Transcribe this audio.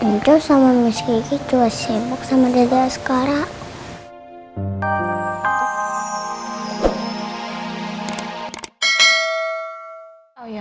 nja sama miski juga sibuk sama dada askara